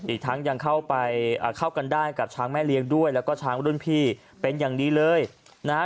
อีกทั้งยังเข้าไปเข้ากันได้กับช้างแม่เลี้ยงด้วยแล้วก็ช้างรุ่นพี่เป็นอย่างดีเลยนะฮะ